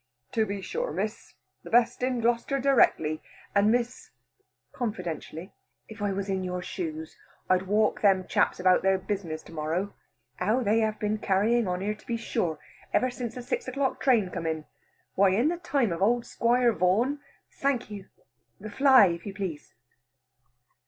"To be sure, Miss; the best in Gloucester directly. And, Miss" confidentially, "if I was in your shoes, I'd walk them chaps about their business to morrow. How they have been carrying on here, to be sure, ever since the six o'clock train come in. Why, in the time of the old Squire Vaughan " "Thank you, the fly, if you please."